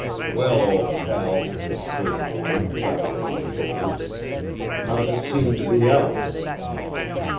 "Well, old pal," exclaimed one, clapping him on the shoulders, "how does it seem to be out?"